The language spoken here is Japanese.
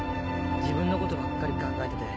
自分のことばっかり考えてて。